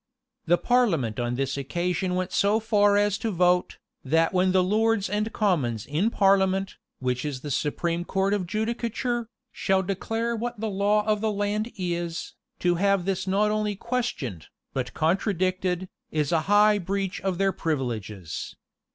[*] The parliament on this occasion went so far as to vote, "That when the lords and commons in parliament, which is the supreme court of judicature, shall declare what the law of the land is, to have this not only questioned, but contradicted, is a high breach of their privileges."